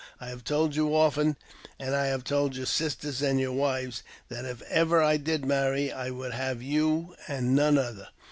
I have told you often, and I have told your sisters and your wives, that, if ever I did marry, I would have you, and none other.